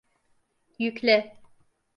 Yükle!